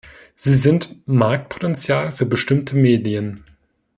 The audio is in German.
Sie sind Marktpotenzial für bestimmte Medien.